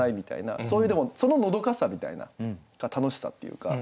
そういうでもそののどかさみたいな楽しさっていうか。